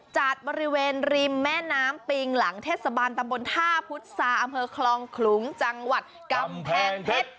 จัดบริเวณริมแม่น้ำปิงหลังเทศบาลตำบลท่าพุษาอำเภอคลองขลุงจังหวัดกำแพงเพชร